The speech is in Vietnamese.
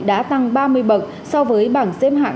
đã tăng ba mươi bậc so với bảng xếp hạng